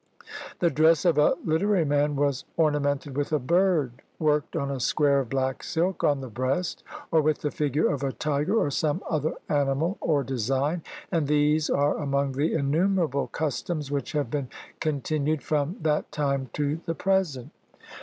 The dress of a literary man was orna mented with a bird worked on a square of black silk on the breast, or with the figure of a tiger or some other animal or design ; and these are among the innumerable customs which have been continued from that time to the present.